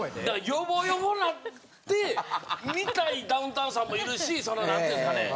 ヨボヨボなって見たいダウンタウンさんもいるしそのなんて言うんですかね